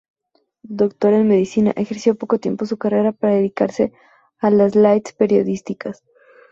Doctor en medicina, ejerció poco tiempo su carrera para dedicarse a las lides periodísticas.